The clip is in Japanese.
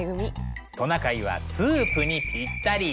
トナカイはスープにぴったり。